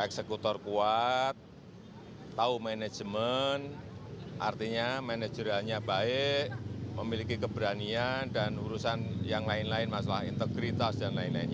eksekutor kuat tahu manajemen artinya manajerialnya baik memiliki keberanian dan urusan yang lain lain masalah integritas dan lain lainnya